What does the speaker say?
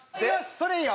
それいいよ！